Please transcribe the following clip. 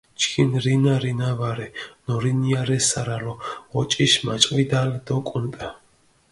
ჩქინ რინა, რინა ვარე, ნორინია რე სარალო, ოჭიშმაჭყვიდალი დო კუნტა.